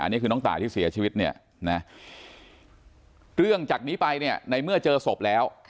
นี่คือน้องตายที่เสียชีวิตเนี่ยนะเรื่องจากนี้ไปเนี่ยในเมื่อเจอศพแล้ว